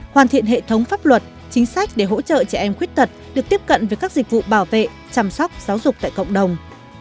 hoàn thiện hệ thống pháp luật chính sách để hỗ trợ trẻ em khuyết tật được tiếp cận với các dịch vụ bảo vệ chăm sóc giáo dục tại cộng đồng